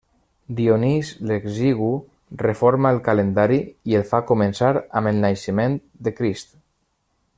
Dionís l'Exigu reforma el calendari i el fa començar amb el naixement de Crist.